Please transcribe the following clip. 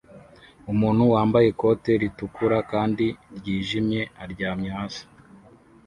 Umuntu wambaye ikote ritukura kandi ryijimye aryamye hasi